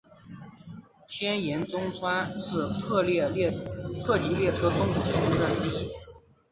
天盐中川是特急列车宗谷的停车站之一。